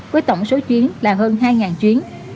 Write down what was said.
với tổng số chuyến là hơn hai chuyến